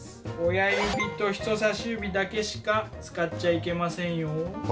親指と人さし指だけしか使っちゃいけませんよ。